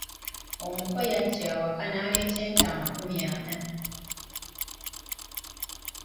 Omuko yajja awaka n’aleeta ente amakumi ana.